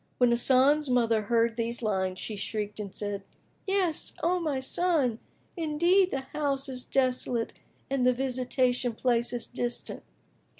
"[FN#23] When Hasan's mother heard these lines, she shrieked and said, "Yes, O my son! Indeed, the house is desolate and the visitation place is distant!"